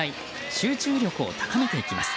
集中力を高めていきます。